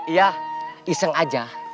iya iseng aja